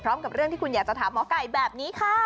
พร้อมกับเรื่องที่คุณอยากจะถามหมอกัยแบบนี้ค่ะ